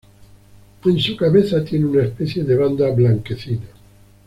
En su cabeza tiene una especie de banda blanquecina.